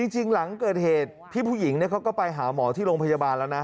จริงหลังเกิดเหตุพี่ผู้หญิงเขาก็ไปหาหมอที่โรงพยาบาลแล้วนะ